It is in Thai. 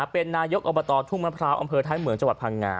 เป็นนายกอบตทุ่งมะพร้าวอำเภอท้ายเหมืองจังหวัดพังงา